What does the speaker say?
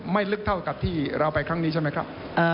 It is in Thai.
ลึกเท่ากับที่เราไปครั้งนี้ใช่ไหมครับ